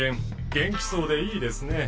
元気そうでいいですね。